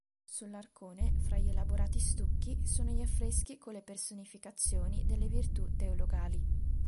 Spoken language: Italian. Sull'arcone, fra gli elaborati stucchi, sono gli affreschi con le personificazioni delle virtù teologali.